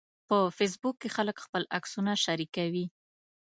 په فېسبوک کې خلک خپل عکسونه شریکوي